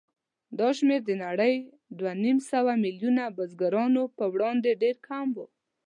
دا شمېر د نړۍ دوهنیمسوه میلیونه بزګرانو په وړاندې ډېر کم و.